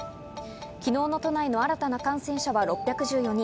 昨日の都内の新たな感染者は６１４人。